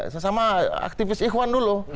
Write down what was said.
sesama aktivis ikhwan dulu